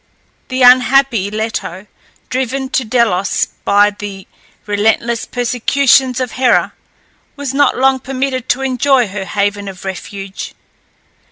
The unhappy Leto, driven to Delos by the relentless persecutions of Hera, was not long permitted to enjoy her haven of refuge.